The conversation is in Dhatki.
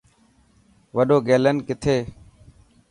وڏو گيلين ڪٿي.